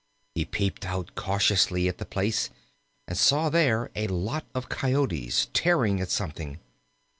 He peeped out cautiously at the place, and saw there a lot of Coyotes, tearing at something.